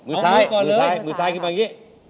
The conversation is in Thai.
เอามือก่อนเลย